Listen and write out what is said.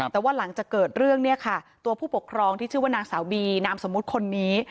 แต่ว่าหลังจากเกิดเรื่องเนี่ยค่ะตัวผู้ปกครองที่ชื่อว่านางสาวบีนามสมมุติคนนี้